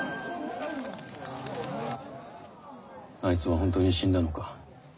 あいつは本当に死んだのか。